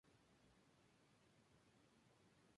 Hay más días que longanizas